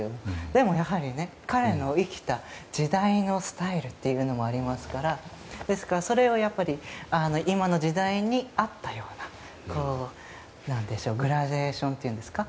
でもやはり、彼の生きた時代のスタイルというのもありますからですから、それを今の時代に合ったようなグラデーションというんですか。